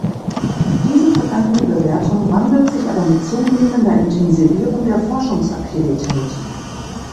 Diese vergangene Bewertung wandelt sich aber mit zunehmender Intensivierung der Forschungsaktivitäten.